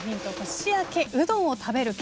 年明けうどんを食べる県。